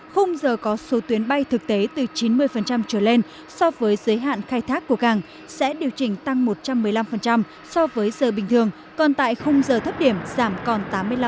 khung giờ có số tuyến bay thực tế từ chín mươi trở lên so với giới hạn khai thác của càng sẽ điều chỉnh tăng một trăm một mươi năm so với giờ bình thường còn tại khung giờ thấp điểm giảm còn tám mươi năm